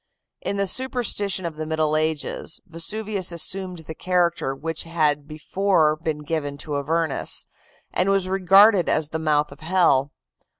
In the superstition of the Middle Ages Vesuvius assumed the character which had before been given to Avernus, and was regarded as the mouth of hell.